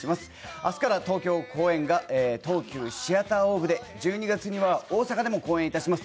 明日から東京公演が東急シアターオーブで、１２月には大阪でも公演いたします。